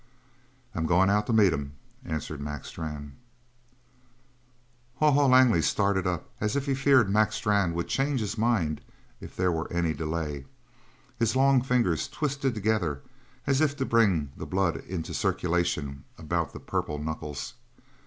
"I'm going out to meet him," answered Mac Strann. Haw Haw Langley started up as if he feared Mac Strann would change his mind if there were any delay. His long fingers twisted together, as if to bring the blood into circulation about the purple knuckles.